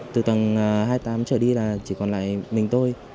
từ tầng hai mươi tám trở đi là chỉ còn lại mình thôi